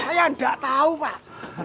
saya enggak tahu pak